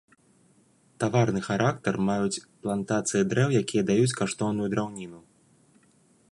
Таварны характар маюць плантацыі дрэў, якія даюць каштоўную драўніну.